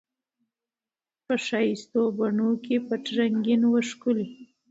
په ښایستو بڼو کي پټ رنګین وو ښکلی